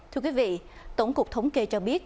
thưa quý vị tổng cục thống kê cho biết